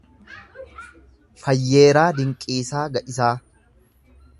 Fayyeeraa Dinqiisaa Ga’isaa